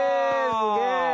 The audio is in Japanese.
すげえ！